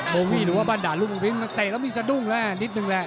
โบวี่หรือว่าบันดาลลูกมุมพิษตะแล้วมีสะดุ้งละนิดนึงแหละ